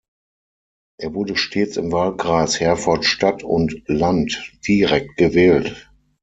Er wurde stets im Wahlkreis Herford-Stadt und -Land direkt gewählt.